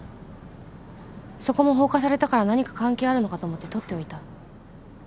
そこも放火されたから何か関係あるのかと思って撮っておいた。